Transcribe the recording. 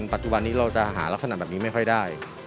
ปัจจุบันนี้เราจะหารักษณะแบบนี้ไม่ค่อยได้